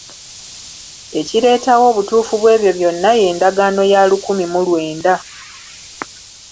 Ekireetawo obutuufu bw'ebyo byonna y'endagaano ya lukumi mu lwenda.